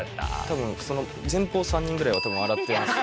多分その前方３人ぐらいは笑ってます。